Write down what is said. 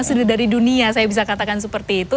sudah dari dunia saya bisa katakan seperti itu